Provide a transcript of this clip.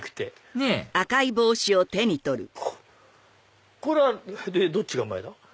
ねぇこれはどっちが前だ？